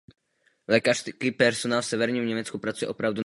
Lékařský personál v severním Německu pracuje opravdu na hranici možností.